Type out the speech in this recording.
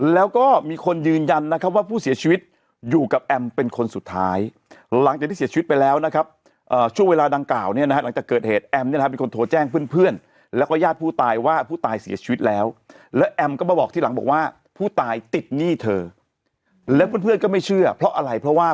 แล้วก็มีคนยืนยันนะครับว่าผู้เสียชีวิตอยู่กับแอมเป็นคนสุดท้ายหลังจากที่เสียชีวิตไปแล้วนะครับช่วงเวลาดังกล่าวเนี่ยนะฮะหลังจากเกิดเหตุแอมเนี่ยนะเป็นคนโทรแจ้งเพื่อนแล้วก็ญาติผู้ตายว่าผู้ตายเสียชีวิตแล้วแล้วแอมก็มาบอกทีหลังบอกว่าผู้ตายติดหนี้เธอแล้วเพื่อนก็ไม่เชื่อเพราะอะไรเพราะว่า